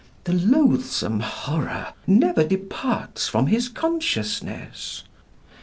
The loathsome horror never departs from his consciousness.